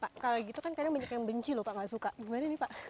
pak kalau gitu kan banyak yang benci lho pak enggak suka bagaimana ini pak